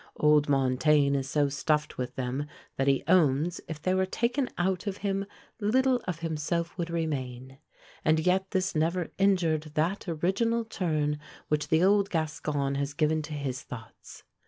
Old Montaigne is so stuffed with them, that he owns, if they were taken out of him little of himself would remain; and yet this never injured that original turn which the old Gascon has given to his thoughts.